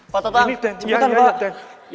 pak totang cepetan pak